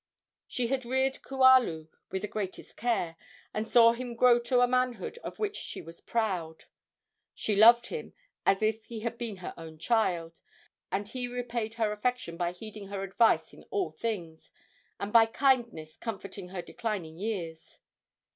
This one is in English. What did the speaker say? She had reared Kualu with the greatest care, and saw him grow to a manhood of which she was proud. She loved him as if he had been her own child, and he repaid her affection by heeding her advice in all things, and by kindness comforting her declining years.